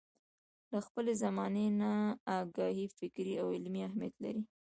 له خپلې زمانې نه اګاهي فکري او عملي اهميت لري.